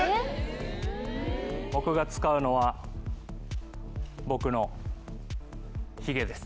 僕が使うのは僕のヒゲです。